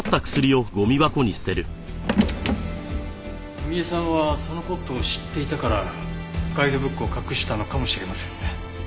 文恵さんはその事を知っていたからガイドブックを隠したのかもしれませんね。